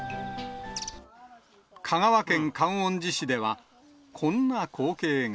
香川県観音寺市では、こんな光景が。